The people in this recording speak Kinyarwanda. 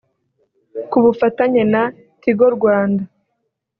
Ku bufatanye na Tigo Rwanda